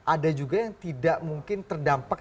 ada juga yang tidak mungkin terdampak